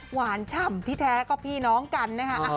ฉ่ำที่แท้ก็พี่น้องกันนะคะ